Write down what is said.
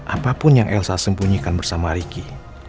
apapun yang elsa sembunyikan bersama ricky